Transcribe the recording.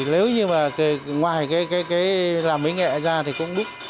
nếu như ngoài làm mỹ nghệ ra thì cũng bút